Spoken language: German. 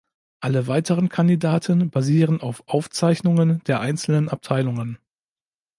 Alle weiteren Kandidaten basieren auf Aufzeichnungen der einzelnen Abteilungen.